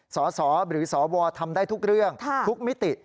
สสหรือสวทำได้ทุกเรื่องทุกมิติ